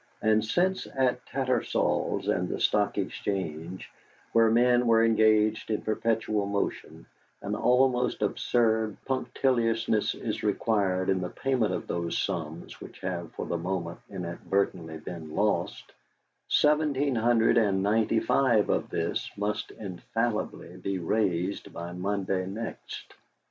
And since at Tattersalls and the Stock Exchange, where men are engaged in perpetual motion, an almost absurd punctiliousness is required in the payment of those sums which have for the moment inadvertently been lost, seventeen hundred and ninety five of this must infallibly be raised by Monday next.